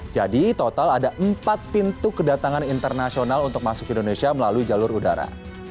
jadi total ada empat pintu kedatangan internasional untuk masuk ke indonesia melalui jalur udara